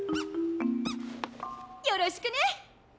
よろしくね！